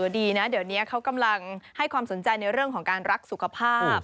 ดีนะเดี๋ยวนี้เขากำลังให้ความสนใจในเรื่องของการรักสุขภาพ